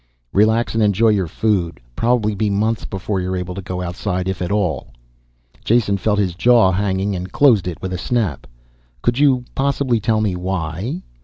"Relax and enjoy your food. Probably be months before you're able to go outside. If at all." Jason felt his jaw hanging and closed it with a snap. "Could you possibly tell me why?"